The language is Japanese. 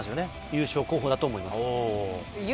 優勝候補だと思います。